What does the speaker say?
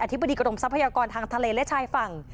ธิบดีกรมทรัพยากรทางทะเลและชายฝั่ง